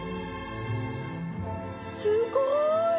すごーい！